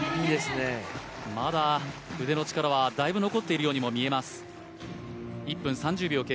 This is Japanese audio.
まだ腕の力はだいぶ残っているようにも見えます。